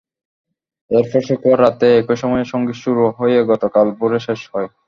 এরপর শুক্রবার রাতে একই সময়ে সংগীত শুরু হয়ে গতকাল ভোরে শেষ হয়।